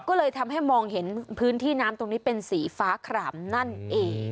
ก็เลยทำให้มองเห็นพื้นที่น้ำตรงนี้เป็นสีฟ้าขามนั่นเอง